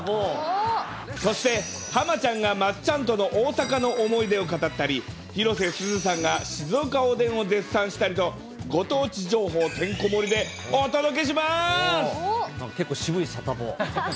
そして、浜ちゃんがまっちゃんとの大阪の思い出を語ったり、広瀬すずさんが静岡おでんを絶賛したりと、ご当地情報てんこ盛り結構渋いサタボー。